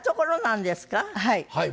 はい。